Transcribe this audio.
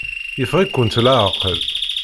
Yeffeɣ-ikent leɛqel.